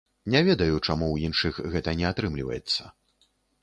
Не ведаю, чаму ў іншых гэта не атрымліваецца.